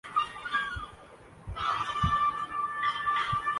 اس کی آواز کانپنے لگی۔